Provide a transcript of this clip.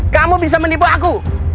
kamu bisa menipu aku